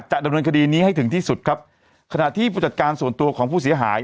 จะดำเนินคดีนี้ให้ถึงที่สุดครับขณะที่ผู้จัดการส่วนตัวของผู้เสียหาย